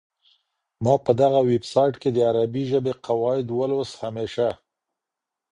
ما په دغه ویبسایټ کي د عربي ژبې قواعد ولوسهمېشه.